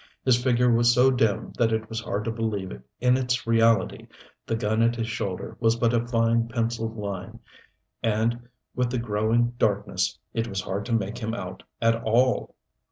His figure was so dim that it was hard to believe in its reality, the gun at his shoulder was but a fine penciled line, and with the growing darkness, it was hard to make him out at all.